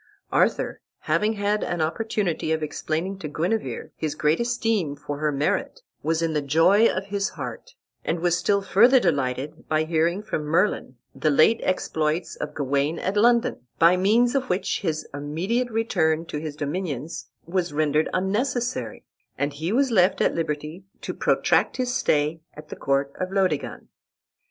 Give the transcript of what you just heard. Arthur, having had an opportunity of explaining to Guenever his great esteem for her merit, was in the joy of his heart, and was still further delighted by hearing from Merlin the late exploits of Gawain at London, by means of which his immediate return to his dominions was rendered unnecessary, and he was left at liberty to protract his stay at the court of Laodegan.